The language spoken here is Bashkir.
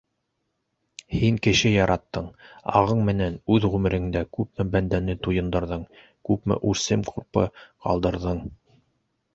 Һин кеше яраттың, ағың менән үҙ ғүмереңдә күпме бәндәне туйындырҙың, күпме үрсем-ҡурпы ҡалдырҙың.